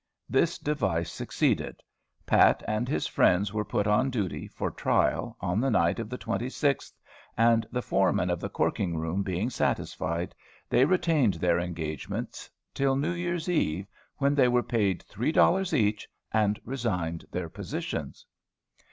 This device succeeded. Pat and his friends were put on duty, for trial, on the night of the 26th; and, the foreman of the corking room being satisfied, they retained their engagements till New Year's eve, when they were paid three dollars each, and resigned their positions.